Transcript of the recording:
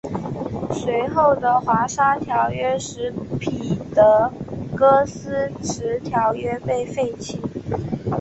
随后的华沙条约使彼得戈施迟条约被废弃。